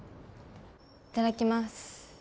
いただきます